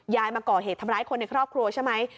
มาก่อเหตุทำร้ายคนในครอบครัวใช่ไหม